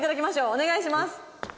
お願いします。